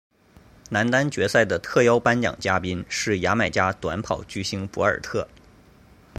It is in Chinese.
男单决赛的特邀颁奖嘉宾是牙买加短跑巨星博尔特。